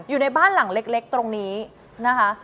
อยู่ในบ้านหลังเล็กตรงนี้นะคะ